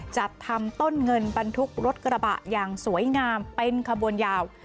จัดทำต้นเงินบรรทุกรถกระบะอย่างสวยงามเป็นขบวนยาว